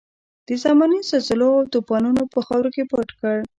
د زمانې زلزلو او توپانونو په خاورو کې پټ کړ.